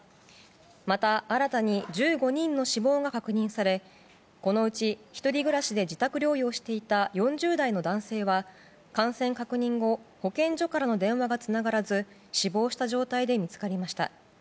また、新たに１５人の死亡が確認されこのうち１人暮らしで自宅療養していた４０代の男性は感染確認後保健所からの電話がつながらず死亡した状態で見つかりました。